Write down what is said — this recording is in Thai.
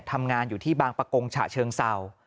ทำงานอยู่ที่บางประกงฉะเชิงเศร้า